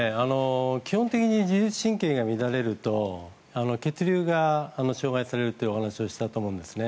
基本的に自律神経が乱れると血流が障害されるという話をしたと思うんですね。